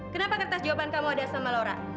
kenapa kertas jawaban kamu ada sama lora